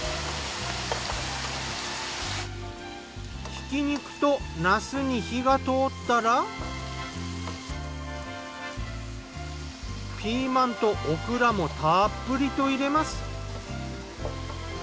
ひき肉となすに火が通ったらピーマンとオクラもたっぷりと入れます。